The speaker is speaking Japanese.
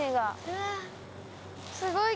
えすごい！